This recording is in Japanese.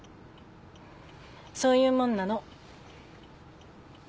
そういうもんなの。